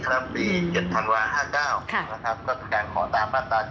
การขอตามมาตรา๗๐๒๐